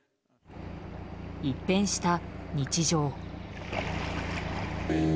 一転した日常。